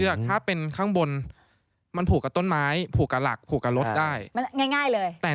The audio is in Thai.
แล้วความเหนื่อยระเนี่ยมันจะมากกว่าเดินปกติตั้งเท่าไหร่